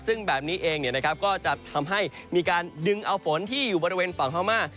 ซึ่งแบบนี้เองก็จะทำให้มีการดึงเอาฝนที่อยู่บริเวณฝั่งพม่า